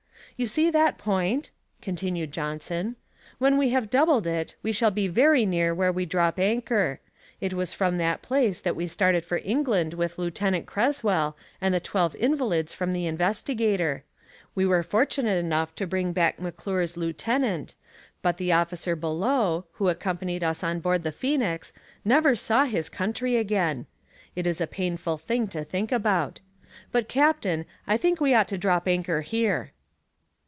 "You see that point?" continued Johnson. "When we have doubled it we shall be very near where we drop anchor. It was from that place that we started for England with Lieutenant Creswell and the twelve invalids from the Investigator. We were fortunate enough to bring back McClure's lieutenant, but the officer Bellot, who accompanied us on board the Phoenix, never saw his country again! It is a painful thing to think about. But, captain, I think we ought to drop anchor here."